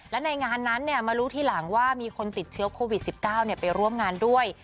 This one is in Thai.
และในงานนั้นมารู้ทีหลังว่ามีคนติดเชื้อโควิด๑๙ไปร่วมงานด้วย